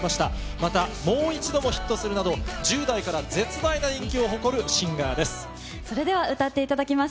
またもう一度もヒットするなど、１０代から絶大な人気を誇るシンそれでは歌っていただきます。